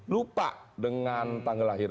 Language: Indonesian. lupa dengan tanggal lahir